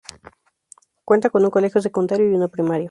Cuenta con un colegio secundario y uno primario.